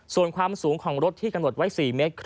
ส่วนความสูงของรถที่กำหนดไว้๔เมตร